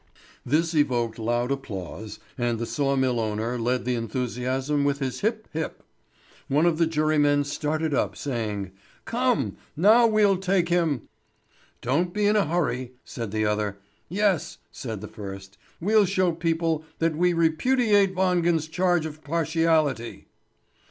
This evoked loud applause, and the saw mill owner led the enthusiasm with his hip, hip. One of the jurymen started up, saying: "Come! Now we'll take him!" "Don't be in a hurry!" said the other. "Yes," said the first. "We'll show people that we repudiate Wangen's charge of partiality!"